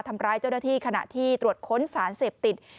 ทำร้ายเจ้าหน้าที่ขณะที่ตรวจค้นสารเสพติด